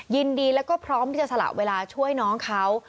ยินดีแล้วก็พร้อมที่จะสละเวลาช่วยน้องเขา